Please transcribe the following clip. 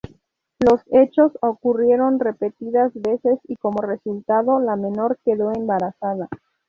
Los hechos ocurrieron repetidas veces y como resultado la menor quedó embarazada.